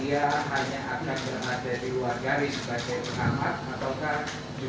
ataukah juga akan turun menjadi mungkin sebagai